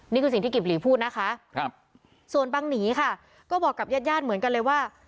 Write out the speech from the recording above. นี่คือสิ่งที่กิบหลีพูดนะคะส่วนบังหนีค่ะก็บอกกับญาติญาติเหมือนกันเลยว่า